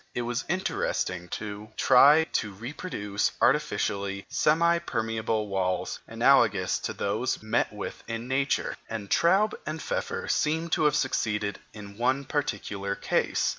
It was interesting to try to reproduce artificially semi permeable walls analogous to those thus met with in nature; and Traube and Pfeffer seem to have succeeded in one particular case.